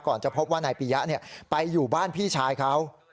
จะพบว่านายปียะไปอยู่บ้านพี่ชายเขา